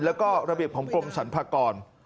แล้วก็ระเบียบของกรมสรรพากร